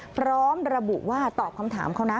พร้อมระบุว่าตอบคำถามเขานะ